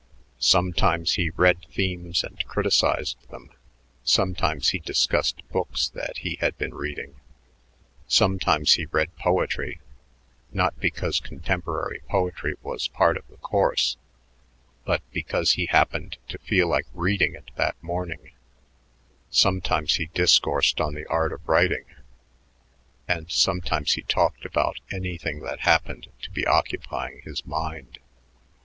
Sometimes he read themes and criticized them; sometimes he discussed books that he had been reading; sometimes he read poetry, not because contemporary poetry was part of the course but because he happened to feel like reading it that morning; sometimes he discoursed on the art of writing; and sometimes he talked about anything that happened to be occupying his mind.